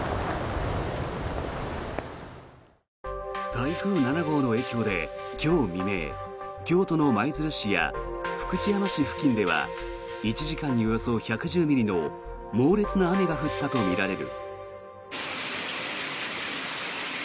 台風７号の影響で今日未明京都の舞鶴市や福知山市付近では１時間におよそ１１０ミリの猛烈な雨が降ったとみられる。